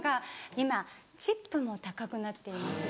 今チップも高くなっていますし。